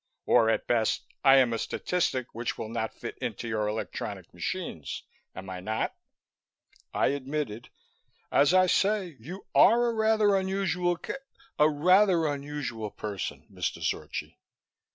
Or, at best, I am a statistic which will not fit into your electronic machines, am I not?" I admitted, "As I say, you are a rather unusual ca a rather unusual person, Mr. Zorchi."